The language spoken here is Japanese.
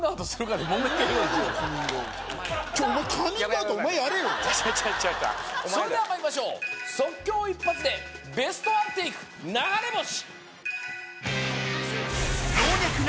やばいそれではまいりましょう即興一発でベストワンテイク流れ星☆